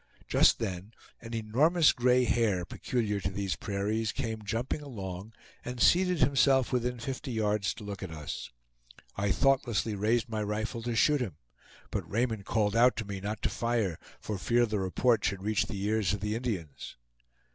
Just then an enormous gray hare, peculiar to these prairies, came jumping along, and seated himself within fifty yards to look at us. I thoughtlessly raised my rifle to shoot him, but Raymond called out to me not to fire for fear the report should reach the ears of the Indians.